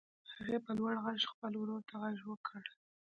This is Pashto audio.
هغې په لوړ غږ خپل ورور ته غږ وکړ.